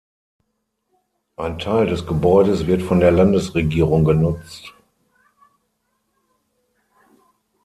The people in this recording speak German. Ein Teil des Gebäudes wird von der Landesregierung genutzt.